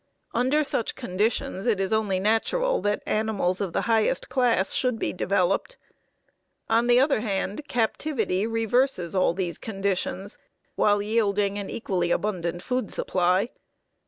Under such conditions it is only natural that animals of the highest class should be developed. On the other hand, captivity reverses all these conditions, while yielding an equally abundant food supply.